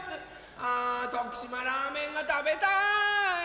あ徳島ラーメンがたべたい！